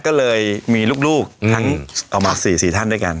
ก็เลยมีลูกลูกอืมทั้งเอามาสี่สี่ท่านด้วยกัน